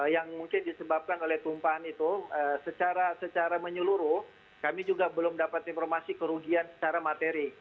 yang mungkin disebabkan oleh tumpahan itu secara menyeluruh kami juga belum dapat informasi kerugian secara materi